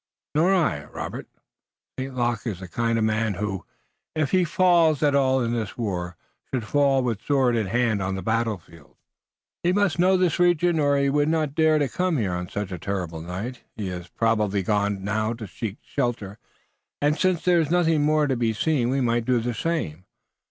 "Nor I, Robert. St. Luc is the kind of man who, if he falls at all in this war, should fall sword in hand on the battle field. He must know this region or he would not dare to come here, on such a terrible night. He has probably gone now to shelter. And, since there is nothing more to be seen we might do the same."